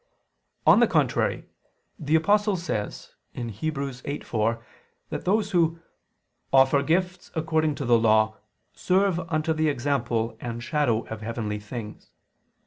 On the contrary, The Apostle says (Heb. 8:4) that those who "offer gifts according to the law ... serve unto the example and shadow of heavenly things.